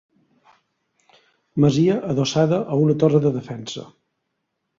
Masia adossada a una torre de defensa.